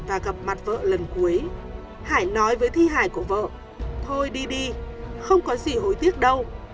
và gặp mặt vợ lần cuối hải nói với thi hài của vợ thôi đi đi không có gì hối tiếc đâu